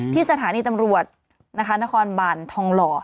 ที่สถานีตำรวจนะคะนครบานทองหล่อ